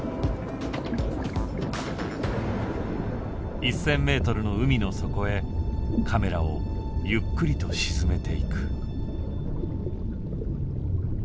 １，０００ｍの海の底へカメラをゆっくりと沈めていく。